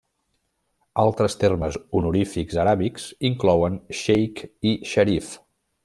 Altres termes honorífics aràbics inclouen xeic i xerif.